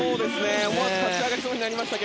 思わず立ち上がりそうになりました。